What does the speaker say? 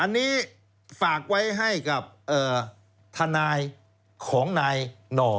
อันนี้ฝากไว้ให้กับทนายของนายหน่อ